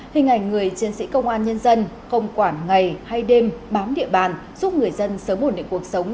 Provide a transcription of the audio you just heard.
hình ảnh người chiến sĩ công an nhân dân không quản ngày hay đêm bám địa bàn giúp người dân sớm ổn định cuộc sống